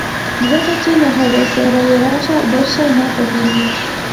ځکه چې له هغوی سره یې راشه درشه نه خوښېږي